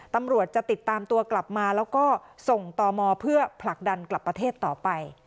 ตำรวจจะติดตามตัวกลับมาแล้วก็ส่งต่อมอเพื่อผลักดันกลับประเทศต่อไป